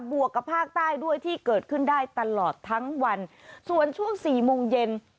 วกกับภาคใต้ด้วยที่เกิดขึ้นได้ตลอดทั้งวันส่วนช่วงสี่โมงเย็น